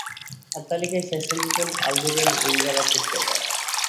আর তালিকায় শেষ সংযোজন আলজেরিয়ান উইঙ্গার রাচিদ গেজাল।